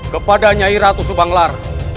kepada nyai ratu subanglar